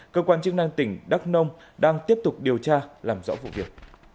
cơ quan chức năng tỉnh đắk nông đang tiếp tục điều tra làm rõ vụ việc